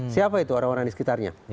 siapa itu orang orang di sekitarnya